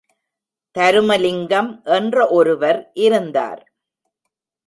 தருமலிங்கம் என்ற ஒருவர் இருந்தார்.